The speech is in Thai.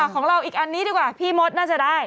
ของเราอีกอันนี้ดีกว่าพี่มดน่าจะได้